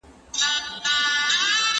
په خيرنو لاسونو سترګې مه موږئ.